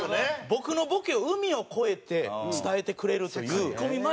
僕のボケを海を越えて伝えてくれるという。